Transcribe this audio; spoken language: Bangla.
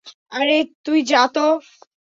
আরে তুই যা তো।